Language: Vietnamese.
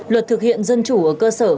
luật thực hiện dân chủ ở cơ sở